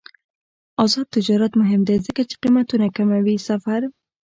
آزاد تجارت مهم دی ځکه چې قیمتونه کموي سفر.